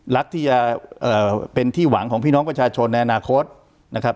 รักที่จะเป็นที่หวังของพี่น้องประชาชนในอนาคตนะครับ